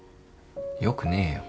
よくねえよ。